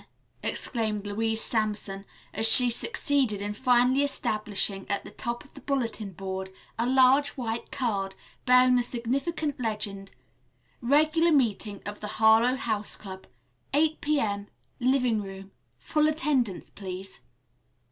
exclaimed Louise Sampson as she succeeded in firmly establishing at the top of the bulletin board a large white card, bearing the significant legend, "Regular Meeting of the Harlowe House Club. 8.00 P.M. Living Room. _Full Attendance, Please.